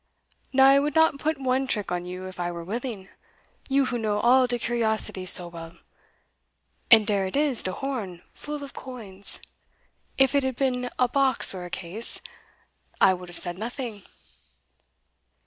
Now I could not put one trick on you if I were willing you who know all de curiosity so well and dere it is de horn full of coins; if it had been a box or case, I would have said nothing."